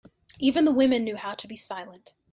Even the women knew how to be silent.